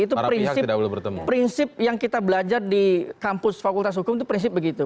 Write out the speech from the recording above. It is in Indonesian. itu prinsip yang kita belajar di kampus fakultas hukum itu prinsip begitu